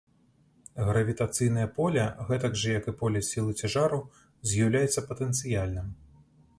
Гравітацыйнае поле, гэтак жа як і поле сілы цяжару, з'яўляецца патэнцыяльным.